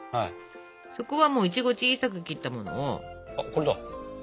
そこはもういちご小さく切ったもので埋めてくの。